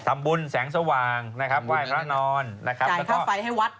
ทำบุญนากสวางว่ายพระนรจ่ายค่าไฟให้วัด